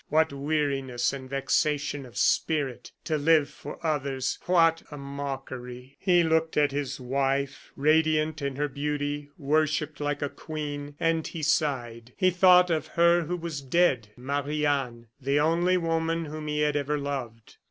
What weariness and vexation of spirit! To live for others what a mockery!" He looked at his wife, radiant in her beauty, worshipped like a queen, and he sighed. He thought of her who was dead Marie Anne the only woman whom he had ever loved.